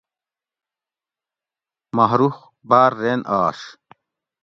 ماہ رخ باۤر رین آش